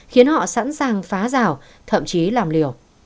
khiến họ sẵn sàng phá rào thậm chí làm liều